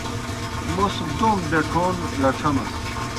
موْس دوم بَیٹَھون لڇھمَس۔